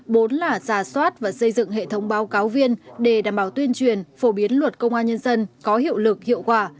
bốn là giả soát và xây dựng hệ thống báo cáo viên để đảm bảo tuyên truyền phổ biến luật công an nhân dân có hiệu lực hiệu quả